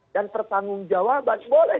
dan pertanggungjawaban boleh